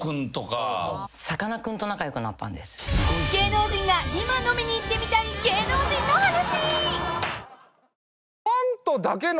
［芸能人が今飲みに行ってみたい芸能人の話］